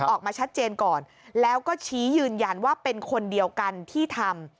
ออกมาชัดเจนก่อนแล้วก็ชี้ยืนยันว่าเป็นคนเดียวกันที่ทำ